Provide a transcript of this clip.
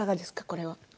これは。